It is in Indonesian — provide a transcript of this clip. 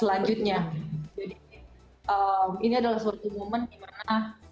untuk membangun indonesia